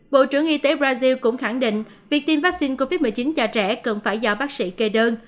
bộ trưởng y tế brazil cũng khẳng định việc tiêm vaccine covid một mươi chín cho trẻ cần phải do bác sĩ kê đơn